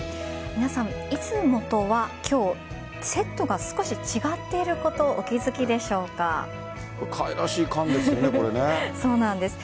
皆さん、いつもとは今日セットが少し違っていることかわいらしい缶ですね。